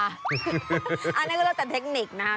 อันนั้นก็แล้วแต่เทคนิคนะครับ